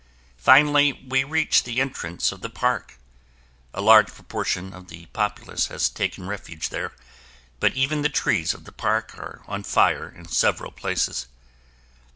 Finally we reach the entrance of the park. A large proportion of the populace has taken refuge there, but even the trees of the park are on fire in several places.